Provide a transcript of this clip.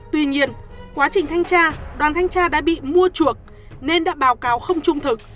tuy nhiên quá trình thanh tra đoàn thanh tra đã bị mua chuộc nên đã báo cáo không trung thực